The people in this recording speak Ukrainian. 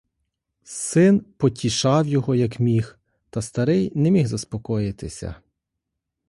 Син потішав його, як міг, та старий не міг заспокоїтися.